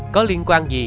có liên quan gì